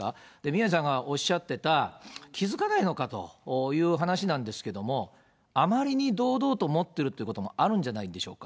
宮根さんがおっしゃってた、気付かないのかという話なんですけれども、あまりに堂々と持っているということもあるんじゃないんでしょう